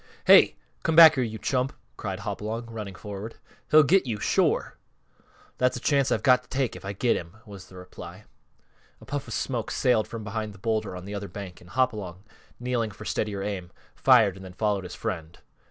"Hey! Come back here, you chump!" cried Hopalong, running forward. "He'll get you, shore!" "That's a chance I've got to take if I get him," was the reply. A puff of smoke sailed from behind the bowlder on the other bank and Hopalong, kneeling for steadier aim, fired and then followed his friend.